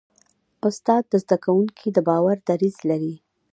استاد د زده کوونکي د باور دریځ لري.